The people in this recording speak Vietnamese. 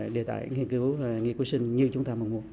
địa tài nghiên cứu nghiên cứu sinh như chúng ta mong muốn